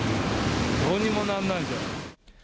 どうにもなんないじゃん。